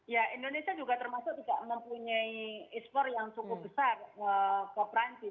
ya indonesia juga termasuk tidak mempunyai ekspor yang cukup besar ke perancis